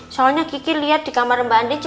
soalnya kiki liat di kamar mbak andinnya